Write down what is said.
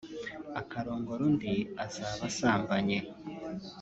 akarongora undi azaba asambanye